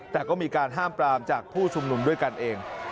แต่ก็มีการห้ามปรามจากผู้ชุมนุมด้วยกันเอง